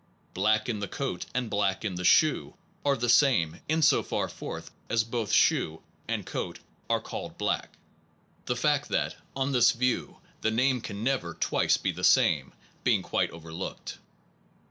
Black in the coat and black in the shoe are the same in so far forth as both shoe and coat are called black the fact that on this view the name can never twice be the same being quite overlooked.